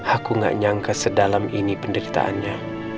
aku gak nyangka sedalam ini penderitaannya